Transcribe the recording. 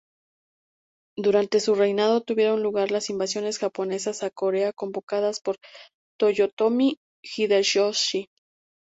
Durante su reinado tuvieron lugar las invasiones japonesas a Corea convocadas por Toyotomi Hideyoshi.